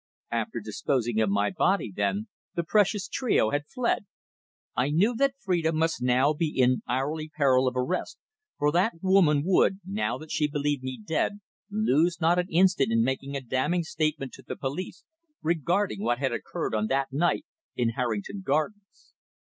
After disposing of my body, then, the precious trio had fled. I knew that Phrida must now be in hourly peril of arrest for that woman would, now that she believed me dead, lose not an instant in making a damning statement to the police regarding what had occurred on that night in Harrington Gardens.